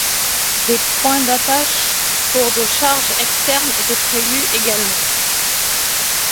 Des points d'attache pour de charge externe étaient également prévus.